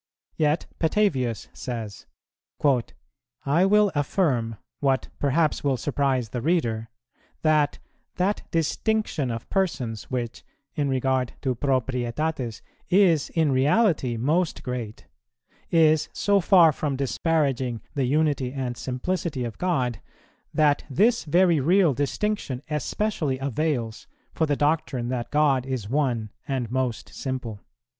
Yet Petavius says, "I will affirm, what perhaps will surprise the reader, that that distinction of Persons which, in regard to proprietates is in reality most great, is so far from disparaging the Unity and Simplicity of God that this very real distinction especially avails for the doctrine that God is One and most Simple."